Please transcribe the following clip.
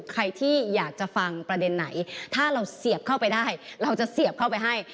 ใครที่อยากจะฟังประเด็นไหนถ้าเราเสียบเข้าไปได้เราจะเสียบเข้าไปให้